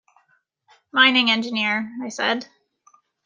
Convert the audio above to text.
“Mining engineer,” I said.